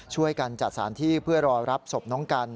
ช่วยกันจัดสารที่เพื่อรอรับศพน้องกัน